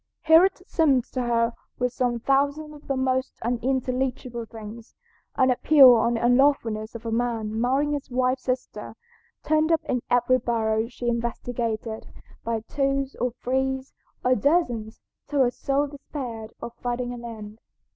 Here it seemed to her were some thousands of the most unintelligible things. "An appeal on the unlawfulness of a man marrying his wife's sister" turned up in every barrel she investigated, by twos, or threes, or dozens, till her soul despaired of finding an end.